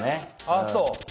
あっそう。